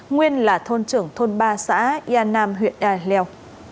nguyên là thôn trưởng thôn ba xã yà nam huyện hè lèo